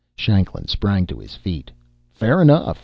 Shanklin sprang to his feet. "Fair enough!"